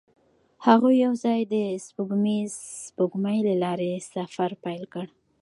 هغوی یوځای د سپوږمیز سپوږمۍ له لارې سفر پیل کړ.